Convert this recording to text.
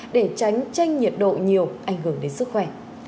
để tránh tranh nhiệt độ nhiều ảnh hưởng đến sức khỏe